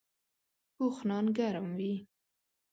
پوخ نان ګرم وي